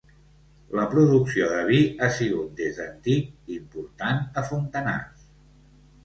La producció de vi ha sigut des d'antic important a Fontanars.